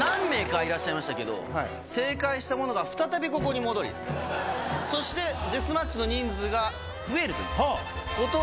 何名かいらっしゃいましたけど、正解した者が再びここに戻り、そしてデスマッチの人数が増えるという。